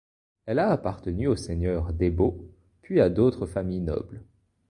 Elle a appartenu aux seigneurs des Baux, puis à d'autres familles nobles.